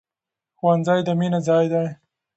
ښوونځی د مینې ځای دی.